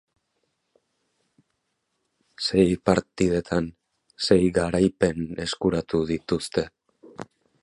Sei partidetan sei garaipen eskuratu dituzte.